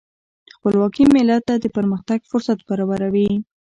خپلواکي ملت ته د پرمختګ فرصت برابروي.